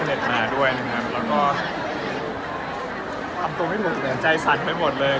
เสน็จมาด้วยนะครับแล้วก็ทำตัวไม่ถูกเลยใจสัดไปหมดเลย